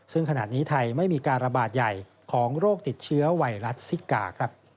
ซึ่งขณะนี้ไทยไม่มีการระบาดใหญ่ของโรคติดเชื้อไวรัสซิกา